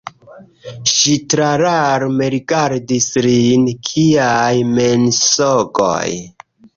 Ŝi tralarme rigardis lin: “Kiaj mensogoj?